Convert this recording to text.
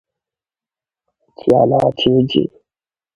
chi a na-achọ iji